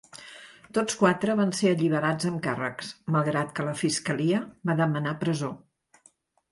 Tots quatre van ser alliberats amb càrrecs, malgrat que la fiscalia va demanar presó.